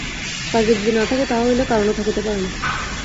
কার্য যদি না থাকে, তাহা হইলে কারণও থাকিতে পারে না।